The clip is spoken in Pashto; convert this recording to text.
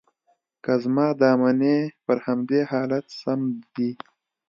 که زما دا منې، پر همدې حالت سم دي.